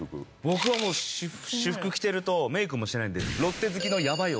僕は私服着てるとメークもしてないんで。